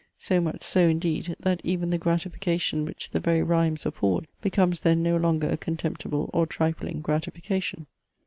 So much so indeed, that even the gratification which the very rhymes afford, becomes then no longer a contemptible or trifling gratification."